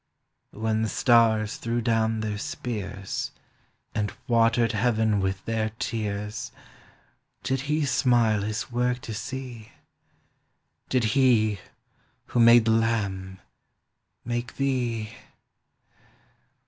When the stars threw down their spears, And watered heaven with their tears, Did he smile his work to sec? Did He, who made the Lamb, make thee!